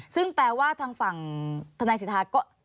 ซึ่งแปลว่าทางฝั่งธนายสิทธาก็